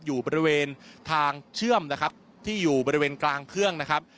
อยู่บริเวณทางเชื่อมนะครับที่อยู่บริเวณกลางเครื่องนะครับ